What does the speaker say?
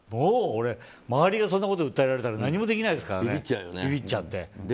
周りがそんなことで訴えられたら何もできないですからねびびっちゃって。